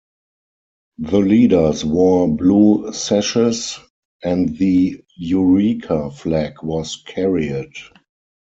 The leaders wore blue sashes and the Eureka Flag was carried.